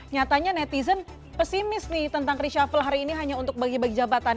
nyatanya netizen pesimis nih tentang reshuffle hari ini hanya untuk bagi bagi jabatan